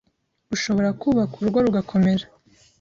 ushobora kubaka urugo rugakomera